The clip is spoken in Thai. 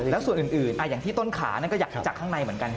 แล้วส่วนอื่นอย่างที่ต้นขานั่นก็อยากรู้จักข้างในเหมือนกัน